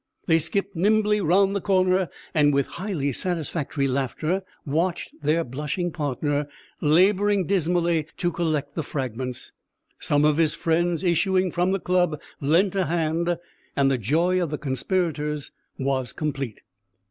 They skipped nimbly round the corner, and with highly satisfactory laughter watched their blushing partner labouring dismally to collect the fragments. Some of his friends issuing from the club lent a hand, and the joy of the conspirators was complete.